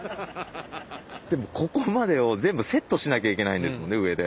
でもここまでを全部セットしなきゃいけないんですもんね上で。